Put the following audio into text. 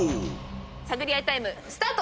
探り合いタイムスタート！